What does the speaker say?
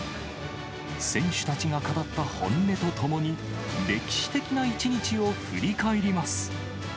選手たちが語った本音とともに、歴史的な一日を振り返ります。